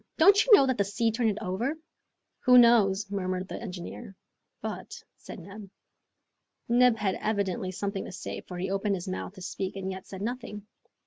"Don't you know that the sea turned it over?" "Who knows?" murmured the engineer. "But, " said Neb. Neb had evidently something to say, for he opened his mouth to speak and yet said nothing.